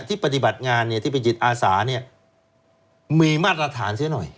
ที่ปฏิบัติงานเนี้ยที่ไปจิตอาสาเนี้ยมีมาตรฐานเสียหน่อย